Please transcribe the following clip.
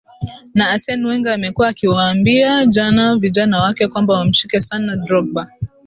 na assen wenga amekuwa akiwambia jana vijana wake kwamba wamshike sana drogba